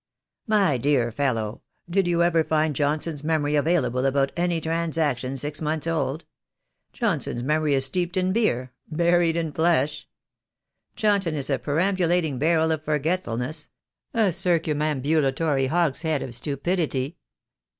"My dear fellow, did you ever find Johnson's memory available about any transaction six months old? Johnson's memory is steeped in beer, buried in flesh. Johnson is a perambulating barrel of forgetfulness — a circumambula tory hogshead of stupidity.